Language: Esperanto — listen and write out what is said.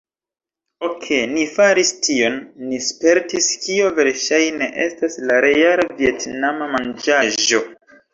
"Okej ni faris tion; ni spertis kio verŝajne estas la reala vjetnama manĝaĵo"